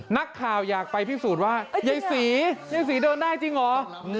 นักข่าวอยากไปพิสูจน์ว่ายายศรียายศรีเดินได้จริงเหรอ